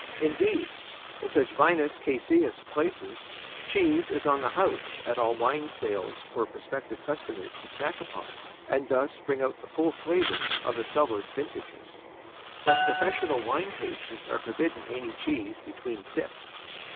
Indeed, in such vinous caseous places cheese is on the house at all wine sales for prospective customers to snack upon and thus bring out the full flavor of the cellared vintages. But professional wine tasters are forbidden any cheese between sips.